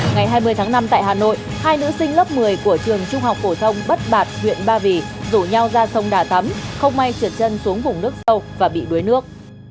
ngày hai mươi tháng năm tại hà nội hai nữ sinh lớp một mươi của trường trung học phổ thông bắt bạt huyện ba vì rủ nhau ra sông đà tắm không may trượt chân xuống vùng nước sâu và bị đuối nước